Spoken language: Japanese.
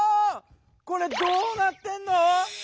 これどうなってんの？